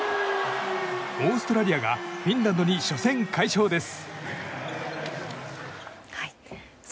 オーストラリアがフィンランドに初戦快勝です。